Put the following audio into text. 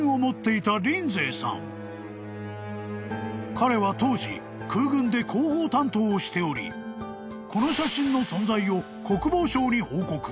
［彼は当時空軍で広報担当をしておりこの写真の存在を］